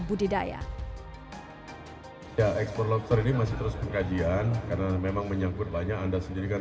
budidaya ya ekspor lobster ini masih terus pengkajian karena memang menyangkut banyak anda sendiri kan